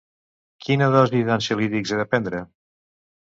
Quina dosi d'ansiolítics he de prendre?